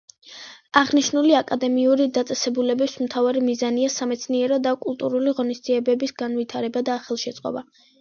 აღნიშნული აკადემიური დაწესებულების მთავარი მიზანია სამეცნიერო და კულტურული ღონისძიებების განვითარება და ხელშეწყობა.